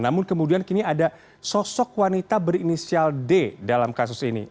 namun kemudian kini ada sosok wanita berinisial d dalam kasus ini